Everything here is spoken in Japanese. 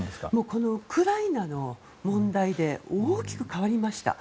ウクライナの問題で大きく変わりました。